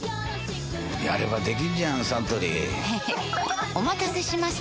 やればできんじゃんサントリーへへっお待たせしました！